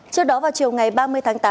trước đó vào chiều ngày ba mươi tháng tám